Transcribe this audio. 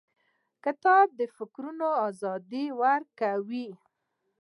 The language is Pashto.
کتاب د فکرونو ازادي ورکوي.